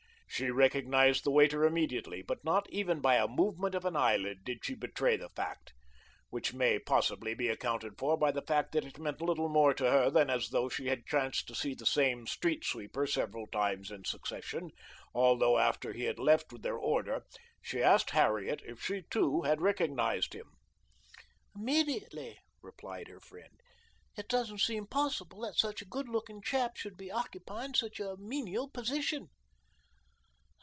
She recognized the waiter immediately, but not even by a movement of an eyelid did she betray the fact; which may possibly be accounted for by the fact that it meant little more to her than as though she had chanced to see the same street sweeper several times in succession, although after he had left with their order she asked Harriet if she, too, had recognized him. "Immediately," replied her friend. "It doesn't seem possible that such a good looking chap should be occupying such a menial position."